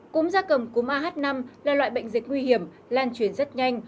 cúm gia cầm cúm ah năm là loại bệnh dịch nguy hiểm lan truyền rất nhanh